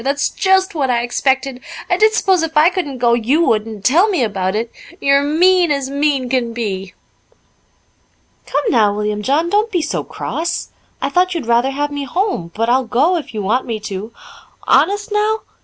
"That's just what I expected. I did s'pose if I couldn't go you would, and tell me about it. You're mean as mean can be." "Come now, William John, don't be so cross. I thought you'd rather have me home, but I'll go, if you want me to." "Honest, now?"